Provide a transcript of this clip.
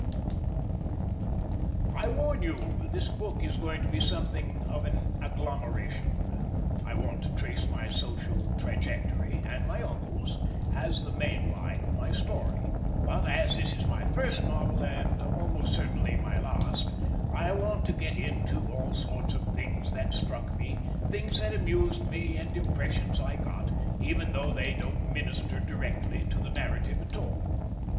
I warn you this book is going to be something of an agglomeration. I want to trace my social trajectory (and my uncle's) as the main line of my story, but as this is my first novel and almost certainly my last, I want to get in, too, all sorts of things that struck me, things that amused me and impressions I got—even although they don't minister directly to my narrative at all.